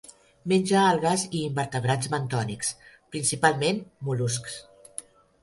Menja algues i invertebrats bentònics, principalment mol·luscs.